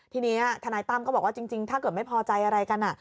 ทีนี้ทนายตั้มก็บอกว่าจริงถ้าเกิดไม่พอใจอะไรกัน